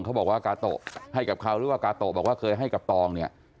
เขาบอกว่ากาโตะให้กับเขาหรือว่ากาโตะบอกว่าเคยให้กับตองเนี่ย